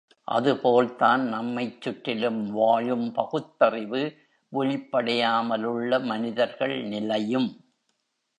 அதுபோல் தான் நம்மைச் சுற்றிலும் வாழும் பகுத்தறிவு விழிப்படையாமலுள்ள மனிதர்கள் நிலையும்.